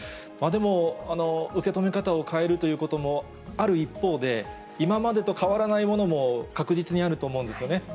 でも、受け止め方を変えるということもある一方で、今までと変わらないものも確実にあると思うんですよね。